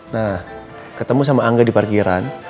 nah ketemu sama angga di parkiran